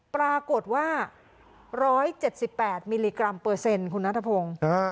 ปรากฏว่า๑๗๘มิลลิกรัมเปอร์เซ็นต์คุณนัทพงศ์